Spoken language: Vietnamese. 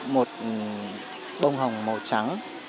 một bông hồng màu trắng